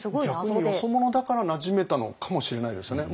逆によそ者だからなじめたのかもしれないですよね。